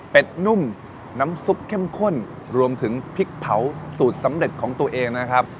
เป็นนุ่มน้ำซุปเข้มข้นรวมถึงพริกเผาสูตรสำเร็จของตัวเองนะครับ